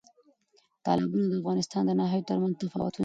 تالابونه د افغانستان د ناحیو ترمنځ تفاوتونه راولي.